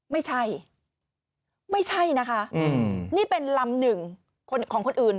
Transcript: ไม่ใช่ไม่ใช่นะคะนี่เป็นลำหนึ่งของคนอื่น